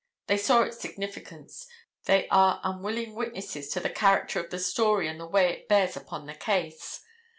They saw its significance, they are unwilling witnesses to the character of the story and the way it bears upon the case.